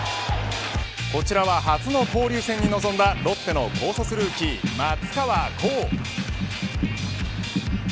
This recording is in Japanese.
こちらは初の交流戦に挑んだロッテの高卒ルーキー松川虎生。